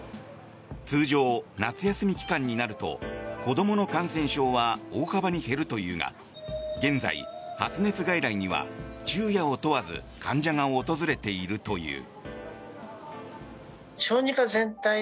通常、夏休み期間になると子どもの感染症は大幅に減るというが現在、発熱外来には昼夜を問わず患者が訪れているという。